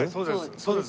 そうです。